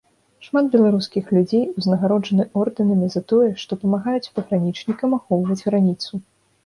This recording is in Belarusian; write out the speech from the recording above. Шмат беларускіх людзей узнагароджаны ордэнамі за тое, што памагаюць пагранічнікам ахоўваць граніцу.